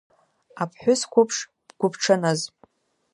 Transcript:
Аԥҳәыс қәыԥш, бгәыбҽаныз…